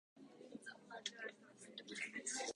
ホラふたりだけの静かな夜を